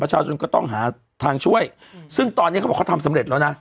ชนก็ต้องหาทางช่วยซึ่งตอนนี้เขาบอกเขาทำสำเร็จแล้วนะ